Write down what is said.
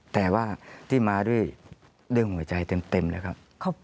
แต่ว่าที่มาด้วยเรื่องหัวใจเต็มเลยครับ